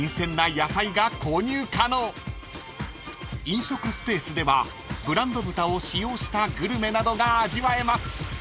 ［飲食スペースではブランド豚を使用したグルメなどが味わえます］